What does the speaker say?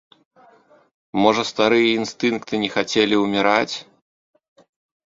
Можа, старыя інстынкты не хацелі ўміраць?